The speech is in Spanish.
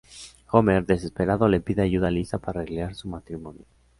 Homer, desesperado, le pide ayuda a Lisa para arreglar su matrimonio.